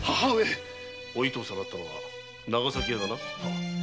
お糸をさらったのは長崎屋だな。